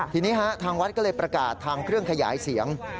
ทีนี้ทางวัดก็เลยประกาศทางเครื่องขยายเสียง